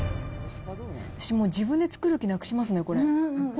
私もう、自分で作る気なくしますね、これ。